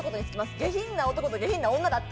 下品な男と下品な女だった。